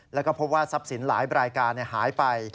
แล้วก็พบว่าทรัพย์สินหลายรายการหายไป